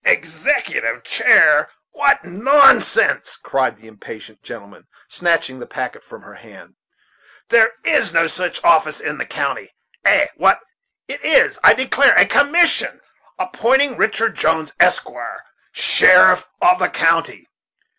"Executive chair! what nonsense!" cried the impatient gentleman, snatching the packet from her hand; "there is no such office in the county. Eh! what! it is, I declare, a commission, appointing Richard Jones, Esquire, sheriff of the county.